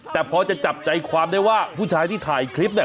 แต่พอจะจับใจความได้ว่าผู้ชายที่ถ่ายคลิปเนี่ย